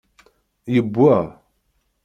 Yewwa.